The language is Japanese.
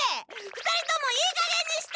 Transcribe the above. ２人ともいいかげんにして！